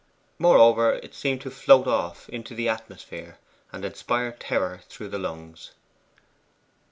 Moreover it seemed to float off into the atmosphere, and inspire terror through the lungs.